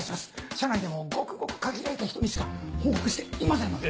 社内でもごくごく限られた人にしか報告していませんので。